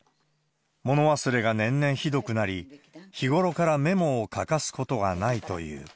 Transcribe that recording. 物忘れが年々ひどくなり、日頃からメモを欠かすことがないという。